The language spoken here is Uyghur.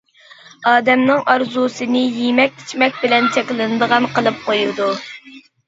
ئادەمنىڭ ئارزۇسىنى يېمەك-ئىچمەك بىلەن چەكلىنىدىغان قىلىپ قويىدۇ.